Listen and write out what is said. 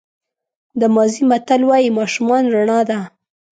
د مازی متل وایي ماشومان رڼا ده.